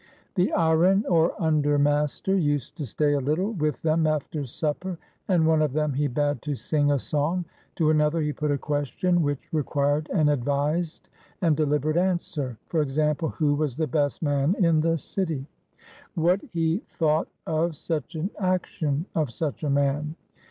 The Iren, or under master, used to stay a little with them after supper, and one of them he bade to sing a song, to another he put a question which required an advised and deliberate answer; for example. Who was the best man in the city? What he thought of such an action of such a man?